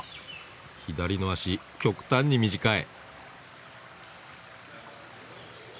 左の脚極端に短い。